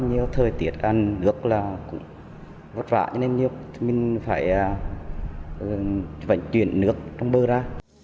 nhưng thời tiết ăn nước là vất vả cho nên mình phải vận chuyển nước trong bơ ra